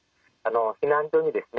避難所にですね